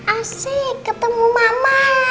asik ketemu mama